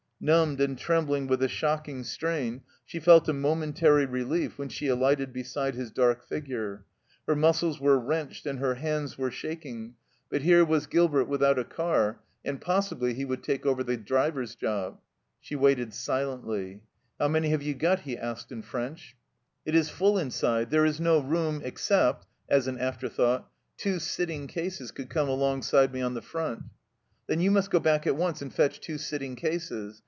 Numbed and trembling with the shocking strain, she felt a momentary relief when she alighted beside his dark figure. Her muscles were wrenched and her hands were shaking, but here 102 THE CELLAR HOUSE OF PERVYSE was Gilbert without a car, and possibly he would take over the driver's job. She waited silently. " How many have you got ?" he asked in French. " It is full inside ; there is no room except " as an afterthought " two sitting cases could come alongside me on the front." " Then you must go back at once and fetch two sitting cases.